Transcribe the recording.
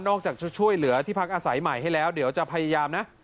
อกจากจะช่วยเหลือที่พักอาศัยใหม่ให้แล้วเดี๋ยวจะพยายามนะ